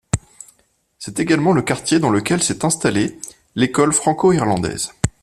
C’est également le quartier dans lequel s’est installé l’École franco-irlandaise.